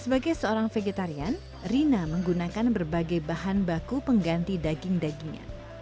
sebagai seorang vegetarian rina menggunakan berbagai bahan baku pengganti daging dagingnya